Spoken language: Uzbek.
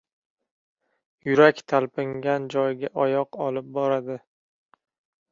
• Yurak talpingan joyga oyoq olib boradi.